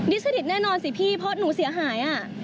แล้วตอนนี้คณะดิสเครดิตแน่นอนสิพี่เพราะหนูเสียหายอ่ะ